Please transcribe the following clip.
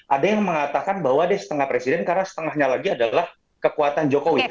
ada yang mengatakan bahwa dia setengah presiden karena setengahnya lagi adalah kekuatan jokowi